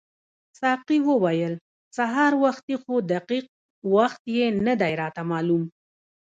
ساقي وویل سهار وختي خو دقیق وخت یې نه دی راته معلوم.